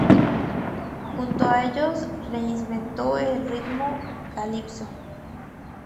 Junto a ellos, reinventado el ritmo "calypso".